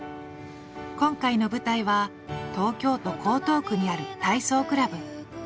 今回の舞台は東京都江東区にある体操クラブ。